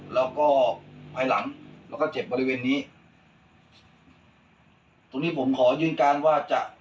แล้วก็ภายหลังแล้วก็เจ็บบริเวณนี้ตรงนี้ผมขอยืนการว่าจะ